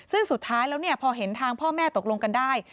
ซึ่งสุดท้ายแล้วพอเห็นทางพ่อแม่ตกลงกันได้